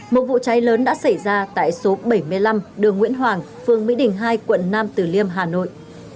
một vụ cháy lớn đã xảy ra tại số bảy mươi năm đường nguyễn hoàng phương mỹ đình hai quận nam tử liêm hà nội